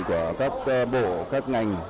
của các bộ các ngành